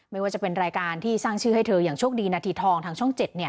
ไม่ว่าจะเป็นรายการที่สร้างชื่อให้เธออย่างโชคดีนาทีทองทางช่อง๗